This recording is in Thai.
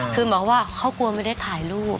คือบอกว่าเขากลัวไม่ได้ถ่ายรูป